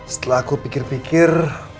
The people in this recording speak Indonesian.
setelah aku pikir pikir